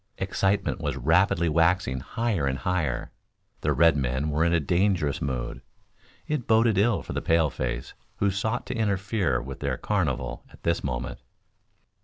Excitement was rapidly waxing higher and higher. The red men were in a dangerous mood. It boded ill for the paleface who sought to interfere with their carnival at this moment.